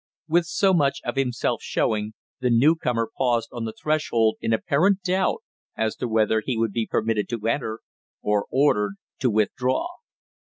With so much of himself showing; the new comer paused on the threshold in apparent doubt as to whether he would be permitted to enter, or ordered to withdraw.